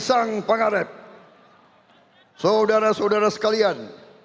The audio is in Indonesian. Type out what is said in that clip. salam sejahtera bagi kita sekalian